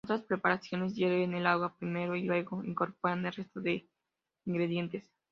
Otras preparaciones hierven el agua primero y luego incorporan el resto de ingredientes.